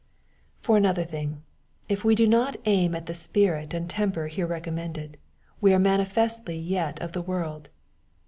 For another thing, if we do not aim at the spirit and temper here recommended, we are manifestly yet of the world.